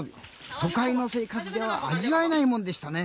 都会の生活では味わえないものでしたね。